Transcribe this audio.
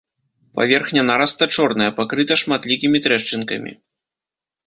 Паверхня нараста чорная, пакрыта шматлікімі трэшчынкамі.